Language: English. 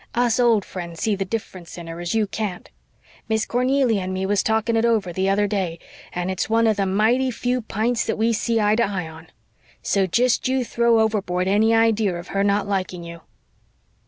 Us old friends see the difference in her, as you can't. Miss Cornelia and me was talking it over the other day, and it's one of the mighty few p'ints that we see eye to eye on. So jest you throw overboard any idea of her not liking you."